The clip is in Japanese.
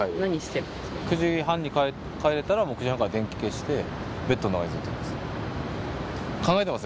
９時半に帰れたら、９時半から電気消して、ベッドの中にずっといます。